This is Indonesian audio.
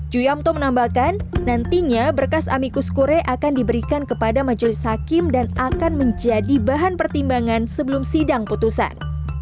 ju yamto menambahkan nantinya berkas amikus kure akan diberikan kepada majelis hakim dan akan menjadi bahan pertimbangan sebelum sidang putusan